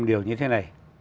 điều như thế này